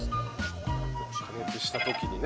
加熱した時にね。